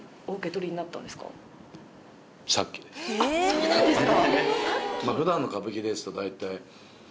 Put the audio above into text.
そうなんですか？